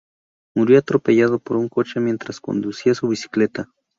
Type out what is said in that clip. Murió atropellado por un coche mientras conducía su bicicleta.